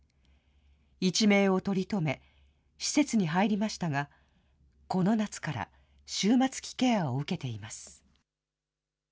一命を取り留め、施設に入りましたが、この夏から、終末期ケアを受けています。